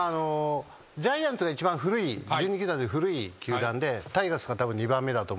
ジャイアンツが一番１２球団で古い球団でタイガースがたぶん２番目だと思うんですね。